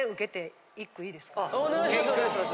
あっお願いします。